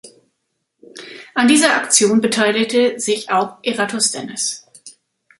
An dieser Aktion beteiligte sich auch Eratosthenes.